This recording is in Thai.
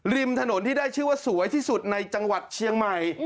ริมถนนที่ได้ชื่อว่าสวยที่สุดในจังหวัดเชียงใหม่